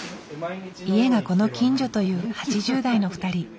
家がこの近所という８０代の２人。